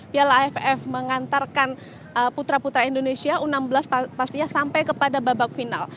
piala aff mengantarkan putra putra indonesia u enam belas pastinya sampai kepada babak final